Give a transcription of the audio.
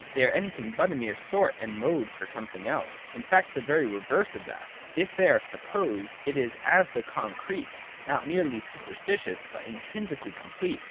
They are anything but a mere sort and mode for something else : in fact the very reverse of that. If they are supposed, it is as the concrete, not merely supposititious, but intrin sically complete.